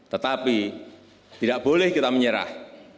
tetapi tidak boleh kita menyerah